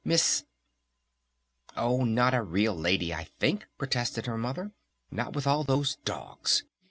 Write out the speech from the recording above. Miss " "Oh not a real lady, I think," protested her Mother. "Not with all those dogs.